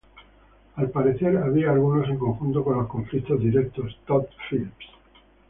Al parecer, había algunos en conjunto con los conflictos director Todd Phillips.